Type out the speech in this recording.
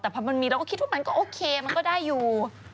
แต่พอมันมีเราก็คิดว่ามันก็โอเคมันก็ได้อยู่